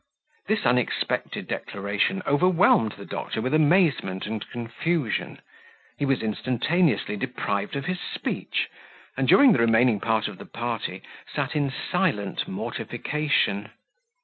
This unexpected declaration overwhelmed the doctor with amazement and confusion; he was instantaneously deprived of his speech, and, during the remaining part of the party, sat in silent mortification.